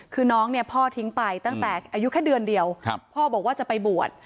คือน้องเนี่ยพ่อทิ้งไปตั้งแต่อายุแค่เดือนเดียวพ่อบอกว่าจะไปบวช